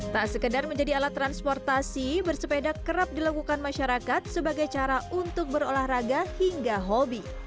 tak sekedar menjadi alat transportasi bersepeda kerap dilakukan masyarakat sebagai cara untuk berolahraga hingga hobi